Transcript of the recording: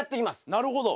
なるほど。